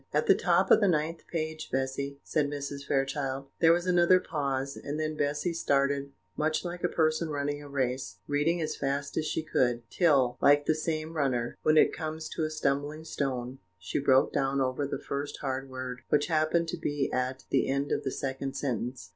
"At the top of the ninth page, Bessy," said Mrs. Fairchild. There was another pause; and then Bessy started much like a person running a race, reading as fast as she could, till, like the same runner, when he comes to a stumbling stone, she broke down over the first hard word, which happened to be at the end of the second sentence.